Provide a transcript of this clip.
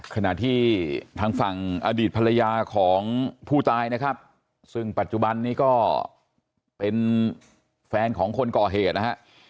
ขณะที่ทางฝั่งอดีตภรรยาของผู้ตายนะครับซึ่งปัจจุบันนี้ก็เป็นแฟนของคนก่อเหตุนะฮะ